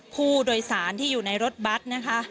ผู้โดยสารที่อยู่ในรถบัตรนะคะ